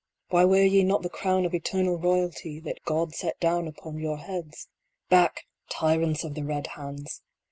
Why wear ye not the crown of eternal royalty, that God set down upon your heads ? Back, tyrants of the red hands